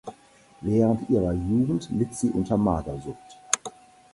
Während ihrer Jugend litt sie unter Magersucht.